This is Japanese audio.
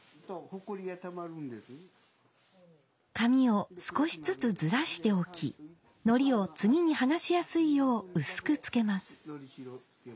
紙を少しずつずらして置き糊を次に剥がしやすいよう薄く付けます。